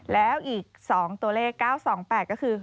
แล้วอีก๒ตัวเลข๙๒๘ก็คือ